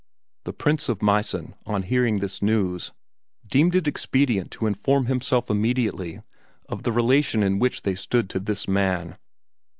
The Prince of Meissen, on hearing this news, deemed it expedient to inform himself immediately of the relation in which they stood to this man.